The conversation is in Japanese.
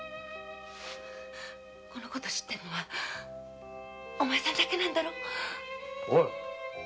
この事を知ってるのはお前さんだけだろオィ